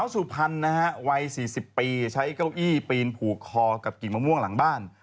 สุพรรณนะฮะวัย๔๐ปีใช้เก้าอี้ปีนผูกคอกับกิ่งมะม่วงหลังบ้าน